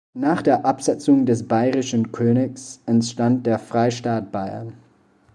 Nach der Absetzung des bayerischen Königs entstand der Freistaat Bayern.